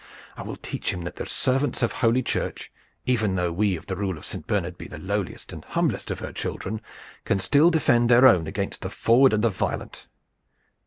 "I will teach him that the servants of Holy Church, even though we of the rule of Saint Bernard be the lowliest and humblest of her children, can still defend their own against the froward and the violent!